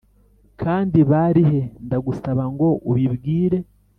“kandi bari he? ndagusaba ngo ubibwire. ”